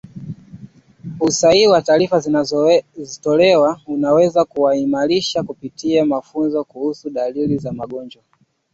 usahihi wa taarifa zinazotolewa unaweza kuimarishwa kupitia mafunzo kuhusu dalili za magonjwa